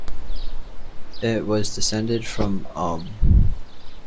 It was descended from uwm.